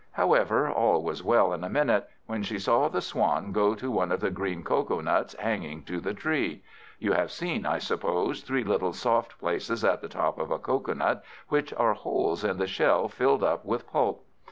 However, all was well in a minute; when she saw the Swan go to one of the green cocoa nuts hanging to the tree. You have seen, I suppose, three little soft places at the top of a cocoa nut, which are holes in the shell filled up with pulp.